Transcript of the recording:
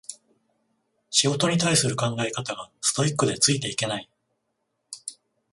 仕事に対する考え方がストイックでついていけない